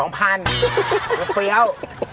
เปรี้ยว